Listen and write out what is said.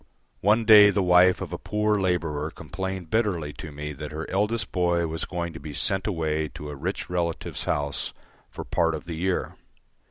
One day the wife of a poor labourer complained bitterly to me that her eldest boy was going to be sent away to a rich relative's house for part of the year.